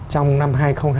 trong năm hai nghìn hai mươi